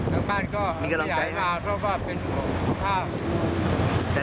ทั้งบ้านก็ไม่อยากมาเพราะว่าเป็นผ้า